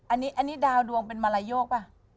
อันนี้ดาวดวงเป็นมาลัยโยกป่ะ